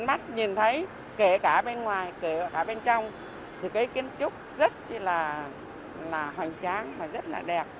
mắt nhìn thấy kể cả bên ngoài kể cả bên trong thì cái kiến trúc rất là hoành tráng và rất là đẹp